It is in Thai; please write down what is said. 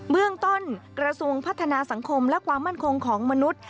เมืองต้นกระทรวงพัฒนาสังคมและความมั่นคงของมนุษย์